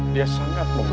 dia sangat memuja tuhan